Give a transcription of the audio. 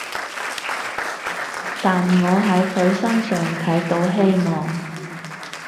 但我喺佢身上睇到希望